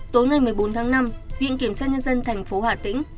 tối ngày một mươi bốn tháng năm viện kiểm sát nhân dân thành phố hà tĩnh